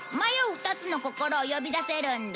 ２つの心を呼び出せるんだ。